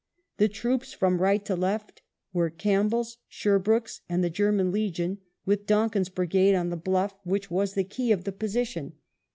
The troops, from right to left, were Campbell's, Sherbrooke's, and the German Legion, with Donkin's brigade on the bluff which was the key of the position.